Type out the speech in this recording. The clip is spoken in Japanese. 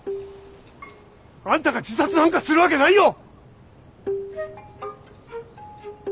あんたが自殺なんかするわけないよ！